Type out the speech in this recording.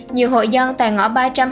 nhiều hội dân tại ngõ ba trăm hai mươi tám